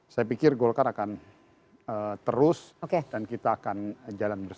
saya pikir golkar akan terus dan kita akan jalan bersama